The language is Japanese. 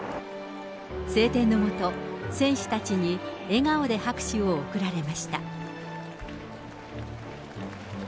晴天の下、選手たちに笑顔で拍手を送られました。